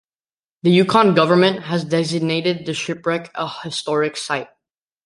The Yukon government has designated the shipwreck a historic site.